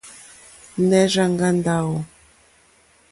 Nɛh Rzang'a Ndawo?